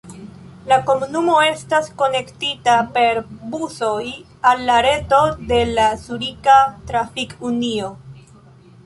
La komunumo estas konektita per busoj al la reto de la Zurika Trafik-Unio.